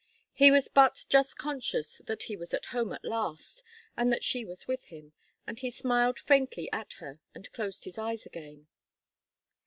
He was but just conscious that he was at home at last, and that she was with him, and he smiled faintly at her and closed his eyes again.